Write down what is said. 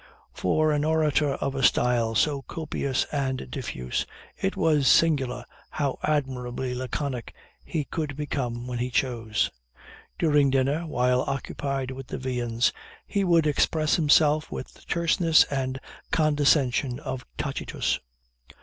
For an orator of a style so copious and diffuse, it was singular how admirably laconic he could become when he chose. During dinner, while occupied with the viands, he would express himself with the terseness and condensation of Tacitus.